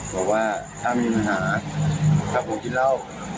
บอกว่าถ้ามีปัญหาถ้าผมกินเหล้า